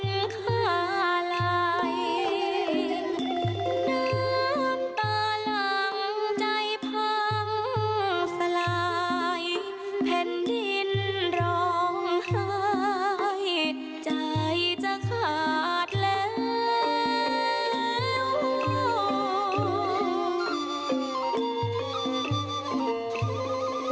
น้ำตาหลังใจพังสลายเผ็ดดินร้องไห้ใจจะขาดแล้ว